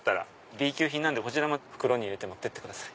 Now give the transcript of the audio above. Ｂ級品なんでこちらも袋に入れて持ってってください。